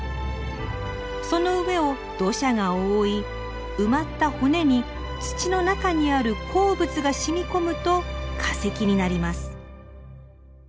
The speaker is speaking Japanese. その上を土砂が覆い埋まった骨に土の中にある鉱物が染み込むと化石になります。